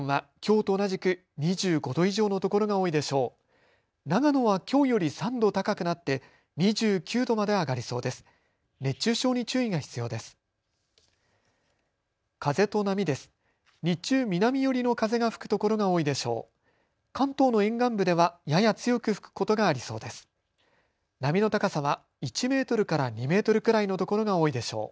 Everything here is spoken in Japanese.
日中、南寄りの風が吹くところが多いでしょう。